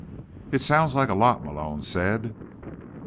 "It sounds like a lot," Malone said.